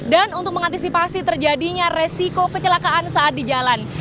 dan untuk mengantisipasi terjadinya resiko kecelakaan saat di jalan